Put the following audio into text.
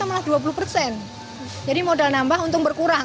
nah dua puluh persen jadi modal nambah untung berkurang